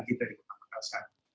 kita di kota makassar